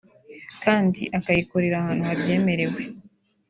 kandi akayikorera ahantu habyemerewe